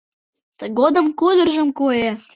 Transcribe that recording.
Тыгодым кудыржым куэ